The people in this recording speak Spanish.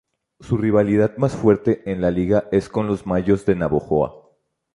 Su rivalidad más fuerte en la liga es con los Mayos de Navojoa.